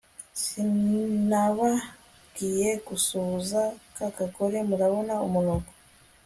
sinababwiye gusuhuza kakagore murabona umunuko